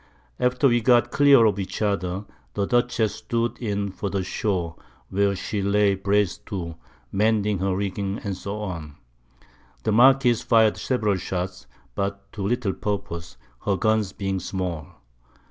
After we got clear of each other, the Dutchess stood in for the Shore where she lay braced to, mending her Rigging, &c. The Marquiss fired several Shot, but to little purpose, her Guns being small.